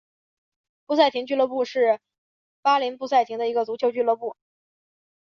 布赛廷俱乐部是巴林布赛廷的一个足球俱乐部。